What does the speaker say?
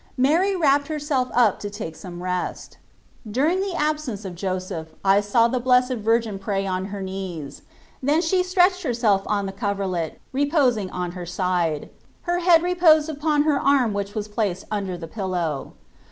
Mary wrapped herself up to take some rest. During the absence of Joseph I saw the Blessed Vir gin pray on her knees : then she stretched herself on the coverlet reposing on her side; her head reposed upon her arm which was placed upon the pillow.